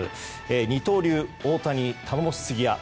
二刀流・大谷、頼もしすぎや！